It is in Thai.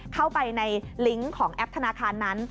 เข้าไปในลิงก์ของแอปธนาคารนั้น